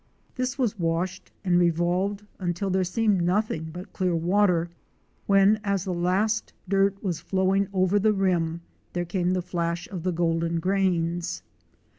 This was washed and revolved until there seemed nothing but clear water, when as the last dirt was flowed over the rim there came the flash of the golden grains.